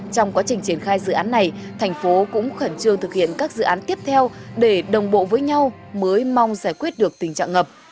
trong quá trình triển khai dự án này thành phố cũng khẩn trương thực hiện các dự án tiếp theo để đồng bộ với nhau mới mong giải quyết được tình trạng ngập